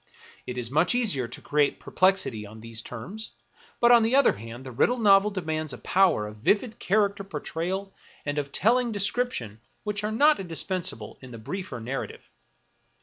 It is much easier to create per plexity on these terms; but on the other hand, the riddle novel demands a power of vivid character portrayal and of telling description which are not indispensable in the "briefer narrative.